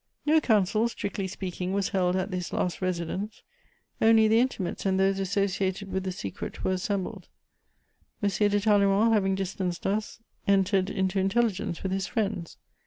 No council, strictly speaking, was held at this last residence: only the intimates and those associated with the secret were assembled. M. de Talleyrand, having distanced us, entered into intelligence with his friends.